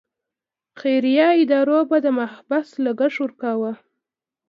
خیریه ادارو به د محبس لګښت ورکاوه.